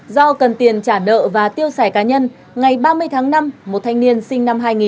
do cần tiền trả nợ và tiêu xài cá nhân ngày ba mươi tháng năm một thanh niên sinh năm hai nghìn